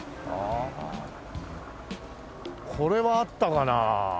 これはあったかな？